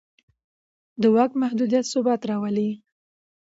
د واک محدودیت ثبات راولي